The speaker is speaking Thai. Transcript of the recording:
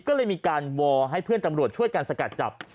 ก็เลยมีการวอลให้เพื่อนตำรวจช่วยกันสกัดจับ